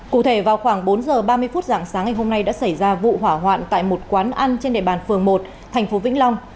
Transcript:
cụ thể vào khoảng bốn giờ ba mươi phút dạng sáng ngày hôm nay đã xảy ra vụ hỏa hoạn tại một quán ăn trên địa bàn phường một thành phố vĩnh long